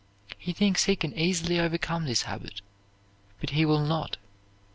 He thinks he can easily overcome this habit, but he will not.